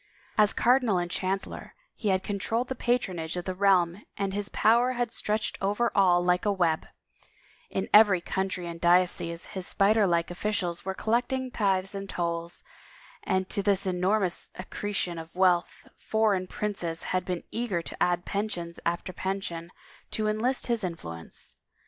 As cardinal and chancellor he had controlled the patronage of the realm and his power had stretched over all like a web; in every county and diocese his spider like offi cials were collecting tithes and tolls, and to this enormous accretion of wealth foreign princes had been eager to add pension after pension to enlist his influence.